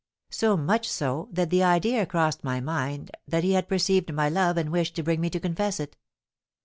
So much so that the idea crossed my mind that he had perceived my love and wished to bring me to confess it.